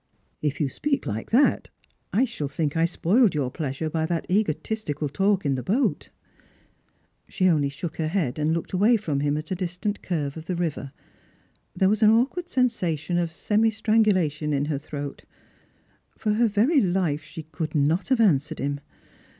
" If you speak like that, I shall think I spoiled your pleasure by that egotistical talk in the boat." She only shook her head and looked away from him at a dis tant curve of the river. There was an awkward sensation of eemi strangulation in her throat. For her very life she could not have answered him.